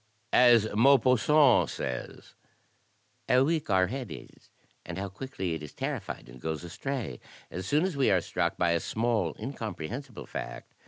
As Maupassant says, "How weak our head is, and how quickly it is terriiSed and goes astray, as soon as we are struck by a small incomprehensible fact.